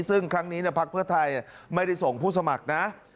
ซึ่งครั้งนี้พักเพื่อไทยไม่ได้ส่งผู้สมัครนะ